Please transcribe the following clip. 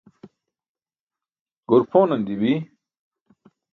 goor pʰonan dii bi.